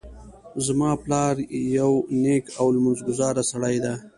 زما پلار یو نیک او لمونځ ګذاره سړی ده